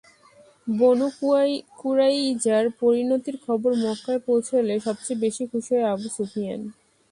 বনু কুরাইযার পরিণতির খবর মক্কায় পৌঁছলে সবচেয়ে বেশি খুশী হয় আবু সুফিয়ান।